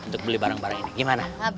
untuk beli barang barang ini gimana